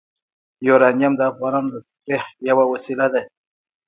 یورانیم د افغانانو د تفریح یوه وسیله ده.